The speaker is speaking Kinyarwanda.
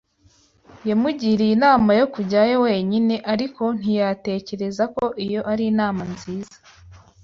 Yamugiriye inama yo kujyayo wenyine, ariko ntiyatekereza ko iyo ari inama nziza.